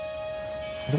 あれ？